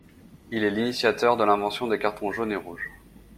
Il est l'initiateur de l'invention des cartons jaunes et rouges.